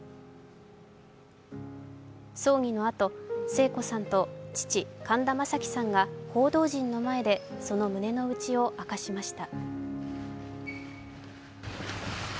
葬儀の後、聖子さんと父・神田正輝さんが報道陣の前でその胸のうちを明かしました。